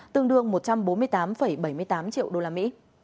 tương đương một trăm bốn mươi tám bảy triệu usd